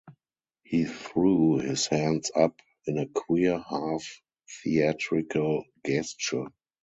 He threw his hands up in a queer half-theatrical gesture.